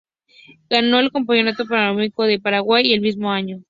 Ganó el Campeonato Panamericano de Paraguay en el mismo año.